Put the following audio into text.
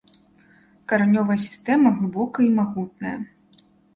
Каранёвая сістэма глыбокая і магутная.